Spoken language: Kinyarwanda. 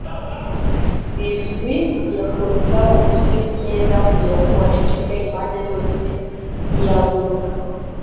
bizwi; yakubita urushyi ku meza kugira ngo aceceke impande zose; yaguruka